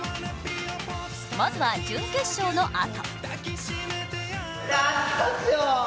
まずは準決勝のあと。